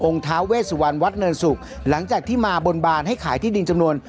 ท้าเวสวันวัดเนินศุกร์หลังจากที่มาบนบานให้ขายที่ดินจำนวน